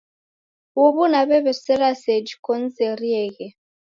Huw'u naw'ew'esera seji konizerieghe